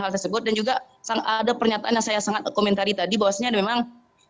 hal tersebut dan juga sangat ada pernyataan yang saya sangat komentari tadi bahwasanya memang dua ratus tujuh puluh enam